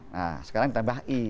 nah sekarang ditambah i